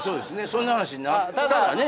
そんな話になったらね